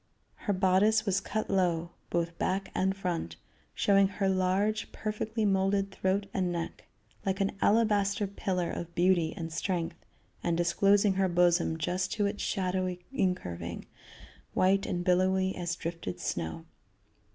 Her bodice was cut low, both back and front, showing her large perfectly molded throat and neck, like an alabaster pillar of beauty and strength, and disclosing her bosom just to its shadowy incurving, white and billowy as drifted snow.